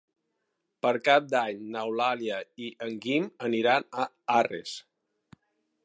Per Cap d'Any n'Eulàlia i en Guim aniran a Arres.